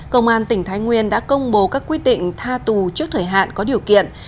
công an tỉnh thái nguyên đã công bố các quyết định tha tù trước thời hạn có điều kiện